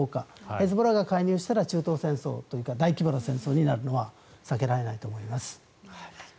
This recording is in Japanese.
ヒズボラが介入したら中東戦争というか大規模な戦争になるのは避けられないと思います。